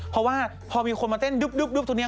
เพราะว่าพอมีคนมาเต้นดึ๊บตรงนี้